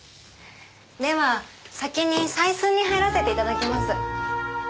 では先に採寸に入らせていただきます。